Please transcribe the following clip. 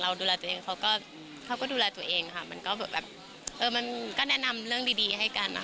ดูแลตัวเองเขาก็เขาก็ดูแลตัวเองค่ะมันก็แบบเออมันก็แนะนำเรื่องดีดีให้กันนะคะ